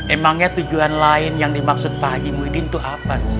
emangnya tujuan lain yang dimaksud pak haji muidin itu apa sih